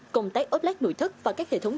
công tác ốp lát nội thất và các hệ thống